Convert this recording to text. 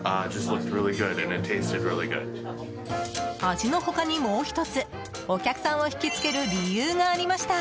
味の他に、もう１つお客さんを引きつける理由がありました。